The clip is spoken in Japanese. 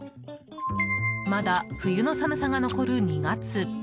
まだ冬の寒さが残る２月。